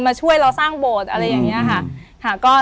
ช่วยเราสร้างโบสถ์อะไรอย่างนี้ค่ะ